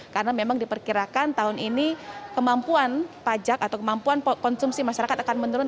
karena memang diperkirakan tahun ini kemampuan pajak atau kemampuan konsumsi masyarakat akan menurun